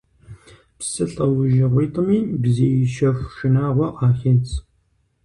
Псы лӀэужьыгъуитӀми бзий щэху шынагъуэ къахедз.